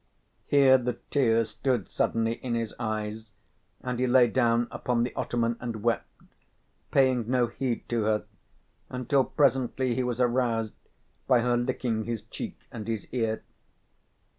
Here the tears stood suddenly in his eyes, and he lay down upon the ottoman and wept, paying no heed to her until presently he was aroused by her licking his cheek and his ear.